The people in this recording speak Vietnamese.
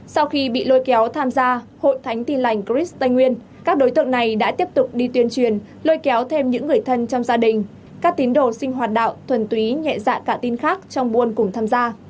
sau khi bị lôi kéo tham gia hội thánh tin lành christ tây nguyên các đối tượng này đã tiếp tục đi tuyên truyền lôi kéo thêm những người thân trong gia đình các tín đồ sinh hoạt đạo thuần túy nhẹ dạ cả tin khác trong buôn cùng tham gia